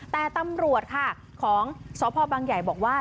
แต่ตำรวจค่ะของสพบังใหญ่บอกว่า